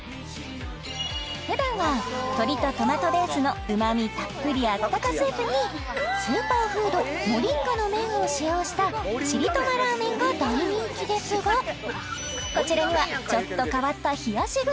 普段は鶏とトマトベースのうまみたっぷりあったかスープにスーパーフードモリンガの麺を使用したチリトマラーメンが大人気ですがこちらにはオープン！